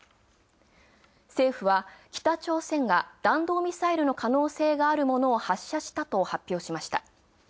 政府は北朝鮮が弾道ミサイルの可能性があるものを発射したと発表しました。